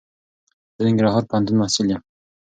زه دننګرهار پوهنتون محصل یم.